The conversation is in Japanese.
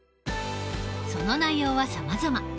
その内容はさまざま。